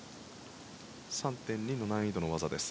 ３．２の難度の技です。